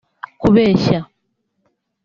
kubeshya